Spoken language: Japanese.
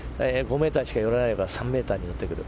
５ｍしか寄らないのが３ｍに寄ってくる。